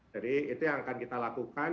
jadi itu yang akan kita lakukan